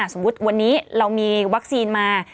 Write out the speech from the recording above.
สมมุติวันนี้เรามีวัคซีนมา